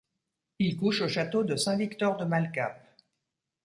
Il couche au château de Saint-Victor-de-Malcap.